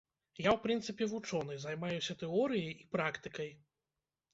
Я ў прынцыпе вучоны, займаюся тэорыяй і практыкай.